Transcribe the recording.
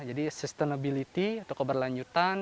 jadi sustainability atau keberlanjutan